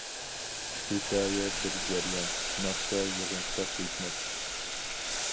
ھېكايە بىر جەريان، ناخشا يىغىنچاق ھېكمەت.